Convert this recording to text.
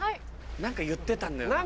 何か言ってたんだよな。